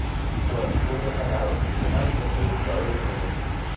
Fue un destacado dibujante e ilustrador de su momento.